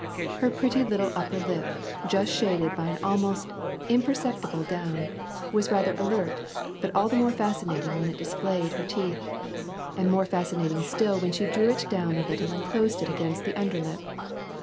Her pretty little upper lip, just, shaded by an ahnost imperceptible down, was rather %L./t, but all the more fascinating when it displayed her teeth, and more fascinating still when she drew it down a little and closed it against the under lip.